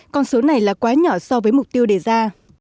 con số này là quá nhỏ so với mục tiêu đề ra